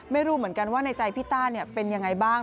ไม่รู้เหมือนกันว่าในใจพี่ต้าเป็นยังไงบ้าง